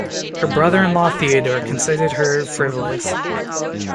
Her brother-in-law Theodore considered her frivolous.